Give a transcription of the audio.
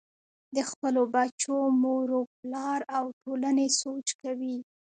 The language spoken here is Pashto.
د خپلو بچو مور و پلار او ټولنې سوچ کوئ -